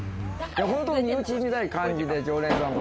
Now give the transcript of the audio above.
身内みたいな感じで、常連さんも。